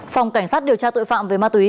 phòng cảnh sát điều tra tội phạm về ma túy